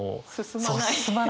進まない。